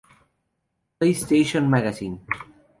PlayStation Magazine".